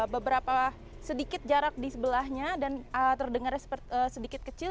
beberapa sedikit jarak di sebelahnya dan terdengarnya sedikit kecil